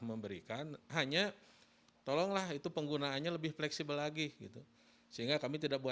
memberikan hanya tolonglah itu penggunaannya lebih fleksibel lagi gitu sehingga kami tidak